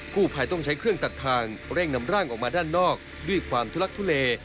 ผู้ภัยต้องใช้เครื่องตัดทางเร่งนำร่างออกมาด้านนอกด้วยความทุลักทุเล